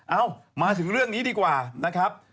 เอ้ามาถึงเรื่องนี้ดีกว่านะครับ